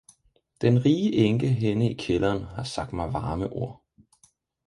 den rige enke henne i kælderen har sagt mig varme ord.